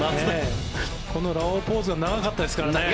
このラオウポーズが長かったですからね。